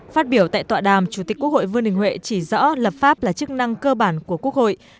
phát biểu tại tọa đàm chủ tịch quốc hội vương đình huệ chỉ rõ lập pháp là chức năng cơ bản của quốc hội